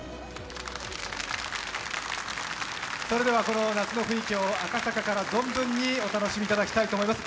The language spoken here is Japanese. それではこの夏の雰囲気を赤坂から存分にお楽しみいただきたいと思います。